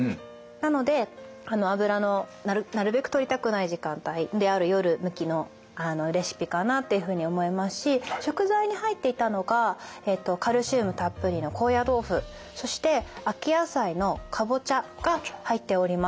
なので油のなるべくとりたくない時間帯である夜向きのレシピかなっていうふうに思いますし食材に入っていたのがカルシウムたっぷりの高野豆腐そして秋野菜のカボチャが入っております。